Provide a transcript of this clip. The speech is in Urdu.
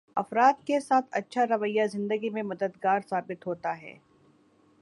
افراد کے ساتھ اچھا رویہ زندگی میں مددگار ثابت ہوتا ہے